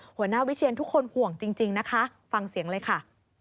หัวหน้าวิเชียนทุกคนห่วงจริงนะคะฟังเสียงเลยค่ะ